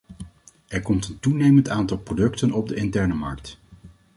Er komt een toenemend aantal producten op de interne markt.